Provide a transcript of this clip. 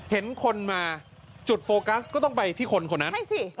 เห็นคนมาจุดโฟกัสก็ต้องไปที่คนคนนั้นใช่สิ